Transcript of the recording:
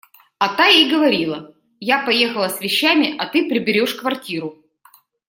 А та ей говорила: – Я поехала с вещами, а ты приберешь квартиру.